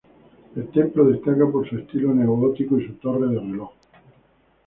El templo destaca por su estilo Neogótico y su torre del reloj.